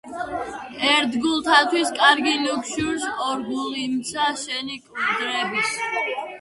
ერთგულთათვის კარგი ნუ გშურს, ორგულიმცა შენი კვდების